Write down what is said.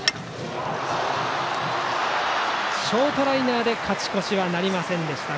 ショートライナーで勝ち越しはなりませんでした。